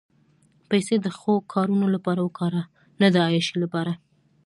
پېسې د ښو کارونو لپاره وکاروه، نه د عیاشۍ لپاره.